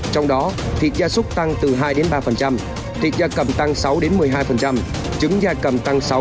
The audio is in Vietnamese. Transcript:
trong đó thịt gia súc tăng từ hai ba thịt gia cầm tăng sáu một mươi hai trứng gia cầm tăng sáu tám